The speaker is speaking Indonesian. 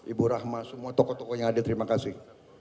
ibu rahma semua tokoh tokoh yang hadir terima kasih